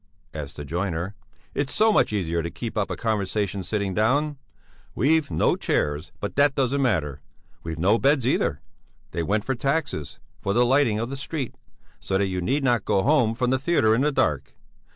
asked the joiner. "It's so much easier to keep up a conversation sitting down. We've no chairs, but that doesn't matter; we've no beds either; they went for taxes, for the lighting of the street, so that you need not go home from the theatre in the dark.